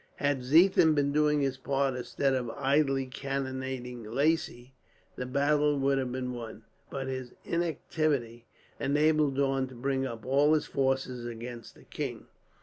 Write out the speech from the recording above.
Had Ziethen been doing his part, instead of idly cannonading Lacy, the battle would have been won; but his inactivity enabled Daun to bring up all his forces against the king.